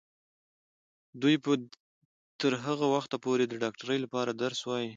دوی به تر هغه وخته پورې د ډاکټرۍ لپاره درس وايي.